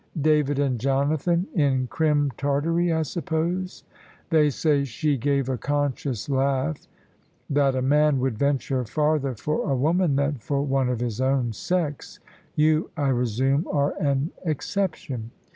"David and Jonathan in Crim Tartary, I suppose. They say," she gave a conscious laugh, "that a man would venture farther for a woman than for one of his own sex. You, I resume, are an exception."